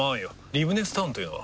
リブネスタウンというのは？